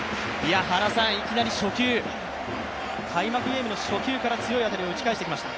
原さん、いきなり初球、開幕ゲームの初球から強い当たりを打ち返してきました。